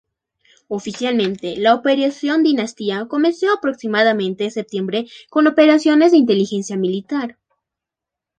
Oficialmente la Operación Dinastía comenzó aproximadamente en septiembre con operaciones de inteligencia militar.